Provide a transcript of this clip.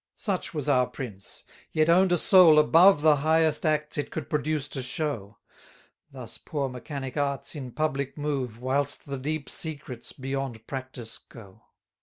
32 Such was our prince; yet own'd a soul above The highest acts it could produce to show: Thus poor mechanic arts in public move, Whilst the deep secrets beyond practice go.